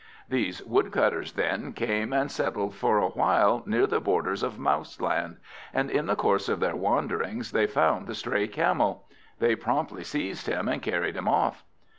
These Woodcutters, then, came and settled for a while near the borders of Mouseland; and in the course of their wanderings they found the stray Camel. They promptly seized him, and carried him off.